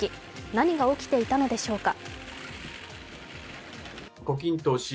何が起きていたのでしょうか。